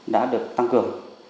đã được tăng cường